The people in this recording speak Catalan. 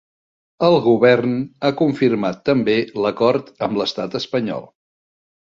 El govern ha confirmat també l’acord amb l’estat espanyol.